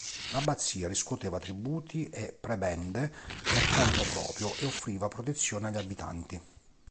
L'abbazia riscuoteva tributi e prebende per conto proprio e offriva protezione agli abitanti.